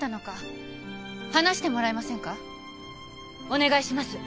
お願いします